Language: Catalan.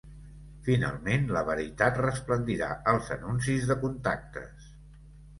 Finalment, la veritat resplendirà als anuncis de contactes.